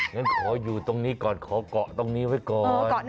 งั้นขออยู่ตรงนี้ก่อนขอเกาะตรงนี้ไว้ก่อน